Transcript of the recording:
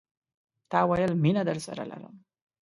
تا ویل، مینه درسره لرم